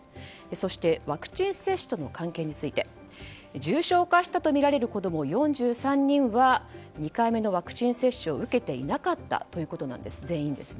そしてワクチン接種との関係について重症化したとみられる子供４３人は２回目のワクチン接種を受けていなかったということです。